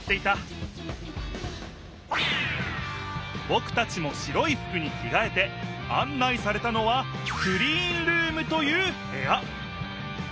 ぼくたちも白いふくにきがえてあん内されたのはクリーンルームというへや。